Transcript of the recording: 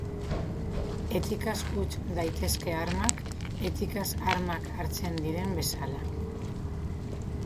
Etikaz utz daitezke armak, etikaz armak hartzen diren bezala.